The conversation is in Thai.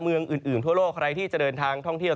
เมืองอื่นทั่วโลกใครที่จะเดินทางท่องเที่ยว